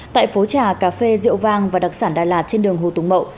tại phố trà cà phê rượu vang và đặc sản đà lạt trên đường hồ tùng mậu